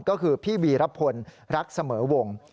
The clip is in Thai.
ก็คือพี่วีรพลรักเสมอวง